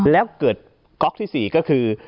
แล้วเกิดก๊อกที่๔ก็คือ